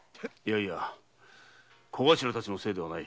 ⁉いや小頭たちのせいではない。